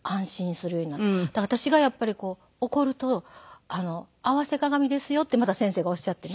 だから私がやっぱり怒ると「合わせ鏡ですよ」ってまた先生がおっしゃってね。